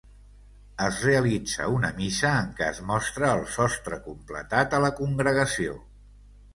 Es realitza una missa en què es mostra el sostre completat a la congregació.